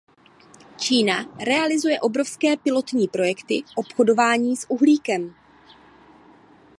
Čína realizuje obrovské pilotní projekty obchodování s uhlíkem.